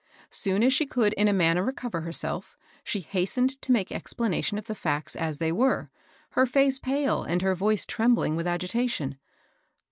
Soon as she conld in a manner recover herself she hastened to make exphmation of the &ctA as they were, — her &ce pale and her yoioe trembling with agitation.